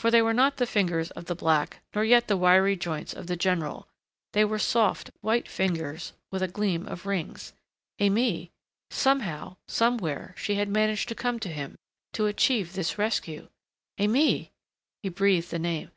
For they were not the fingers of the black nor yet the wiry joints of the general. They were soft, white fingers, with a gleam of rings. Aimée! Somehow, somewhere, she had managed to come to him, to achieve this rescue.... "Aimée!" He breathed the name.